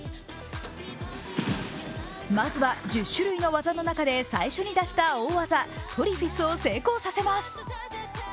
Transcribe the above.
まずは１０種類の技の中で最初に出した大技、トリフィスを成功させます。